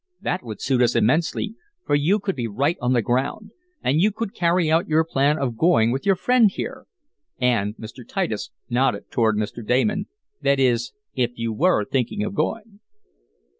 That would suit us immensely, for you could be right on the ground. And you could carry out your plan of going with your friend here," and Mr. Titus nodded toward Mr. Damon. "That is, if you were thinking of going."